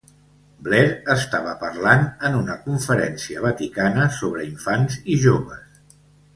Blair estava parlant en una conferència vaticana sobre infants i joves.